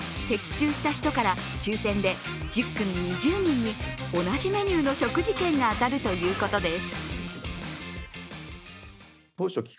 的中した人から抽選で１０組２０人に同じメニューの食事券が当たるということです。